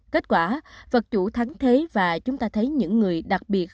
kết quả vật chủ thắng thế và chúng ta thấy những người đặc biệt